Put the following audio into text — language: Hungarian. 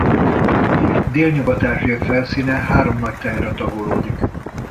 Délnyugat-Ázsia felszíne három nagy tájra tagolódik.